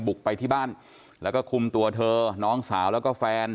ไปที่บ้านแล้วก็คุมตัวเธอน้องสาวแล้วก็แฟน